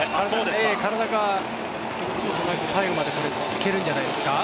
体が動くことなく最後までいけるんじゃないですか。